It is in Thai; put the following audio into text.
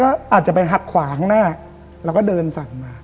หรือไม่ก็อาจจะไปหักขวางของหน้าเราก็เดินสั่งมา